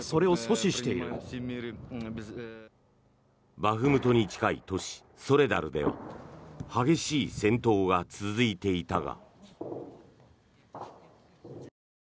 バフムトに近い都市ソレダルでは激しい戦闘が続いていたが。